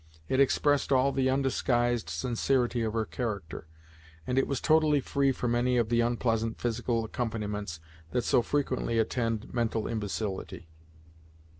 It expressed all the undisguised sincerity of her character, and it was totally free from any of the unpleasant physical accompaniments that so frequently attend mental imbecility.